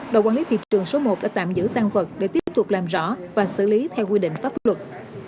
đội quản lý thị trường số một đã tạm giữ tăng vật để tiếp tục làm rõ và xử lý theo quy định pháp luật